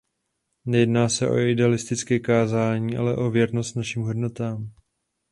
Nejedná se o idealistické kázání, ale o věrnost našim hodnotám.